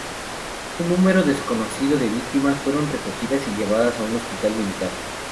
Un número desconocido de víctimas fueron recogidas y llevadas a un hospital militar.